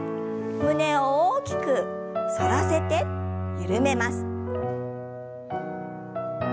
胸を大きく反らせて緩めます。